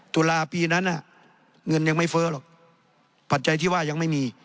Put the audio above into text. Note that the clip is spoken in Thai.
ตุลาปีนั้นเงินยังไม่เฟ้อหรอกปัจจัยที่ว่ายังไม่มี